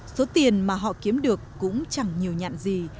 số tiền mà họ kiếm được cũng chẳng nhiều nhạn gì